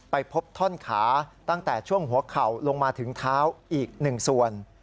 ไปพบท่อนขาตั้งแต่ช่วงหัวเข่าลงมาถึงเท้าอีกหนึ่งส่วน